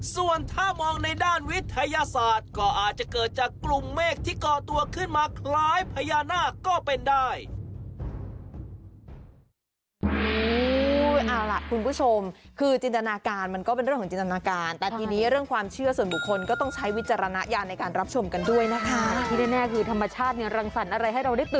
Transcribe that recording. ส่วนถ้ามองในด้านวิทยาศาสตร์ก็อาจจะเกิดจากกลุ่มเมฆที่ก่อตัวขึ้นมาคล้ายพญานาคก็เป็นได้